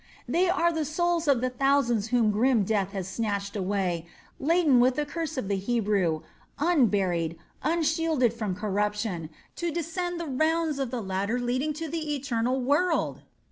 They are the souls of the thousands whom grim death has snatched away, laden with the curse of the Hebrew, unburied, unshielded from corruption, to descend the rounds of the ladder leading to the eternal world."